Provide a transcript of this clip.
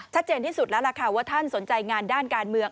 ที่สุดแล้วล่ะค่ะว่าท่านสนใจงานด้านการเมือง